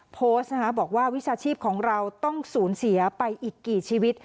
โพสต์นะคะบอกว่าวิชาชีพของเราต้องสูญเสียไปอีกกี่ชีวิต